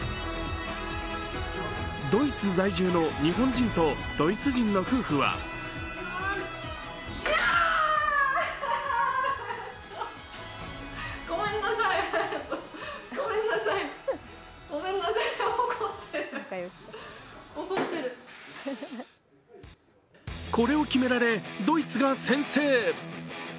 ドイツ在住の日本人とドイツ人の夫婦はこれを決められ、ドイツが先制。